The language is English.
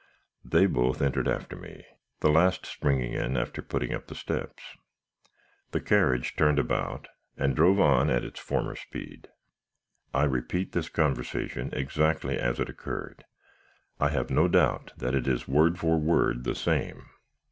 They both entered after me the last springing in, after putting up the steps. The carriage turned about, and drove on at its former speed. "I repeat this conversation exactly as it occurred. I have no doubt that it is, word for word, the same.